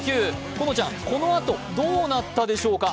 このちゃん、このあとどうなったでしょうか？